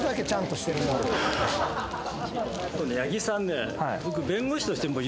八木さんね僕。